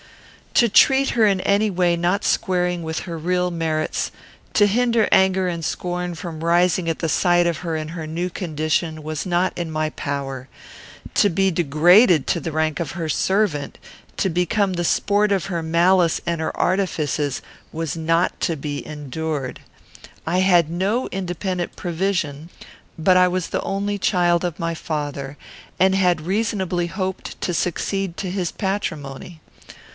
To treat her in any way not squaring with her real merits; to hinder anger and scorn from rising at the sight of her in her new condition, was not in my power. To be degraded to the rank of her servant, to become the sport of her malice and her artifices, was not to be endured. I had no independent provision; but I was the only child of my father, and had reasonably hoped to succeed to his patrimony.